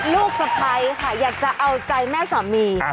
ลูกสะพ้ายค่ะอยากจะเอาใจแม่สามี